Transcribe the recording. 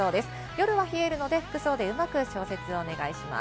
夜は冷えるので服装でうまく調整をお願いします。